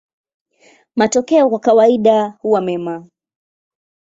Matokeo kwa kawaida huwa mema.